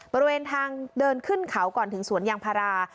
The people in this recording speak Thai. บริเวณทางเดินขึ้นเขาก่อนถึงสวนยางพารา